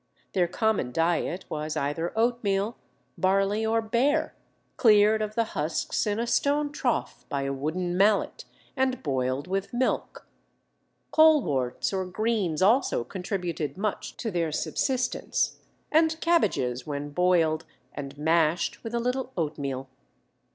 Their common diet was either oatmeal, barley, or bear, cleared of the husks in a stone trough by a wooden mallet, and boiled with milk; coleworts or greens also contributed much to their subsistence, and cabbages when boiled and mashed with a little oatmeal."